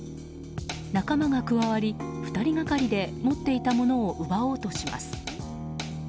仲間が加わり２人がかりで持っていたものを奪おうとします。